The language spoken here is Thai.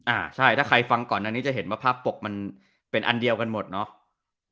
อ่าใช่ถ้าใครฟังก่อนอันนี้จะเห็นว่าภาพปกมันเป็นอันเดียวกันหมดเนาะ